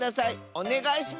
おねがいします！